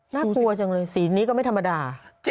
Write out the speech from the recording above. น่ากลัวจังเลยสีนี้ก็ไม่ธรรมดา